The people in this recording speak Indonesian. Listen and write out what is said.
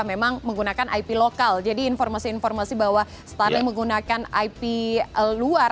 memang menggunakan ip lokal jadi informasi informasi bahwa starling menggunakan ip luar